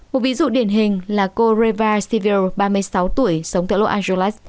một ví dụ điển hình là cô reva sivir ba mươi sáu tuổi sống tại los angeles